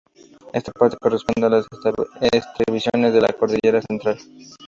Esta parte corresponde a las estribaciones de la cordillera central.